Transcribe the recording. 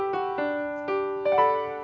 sampai jumpa lagi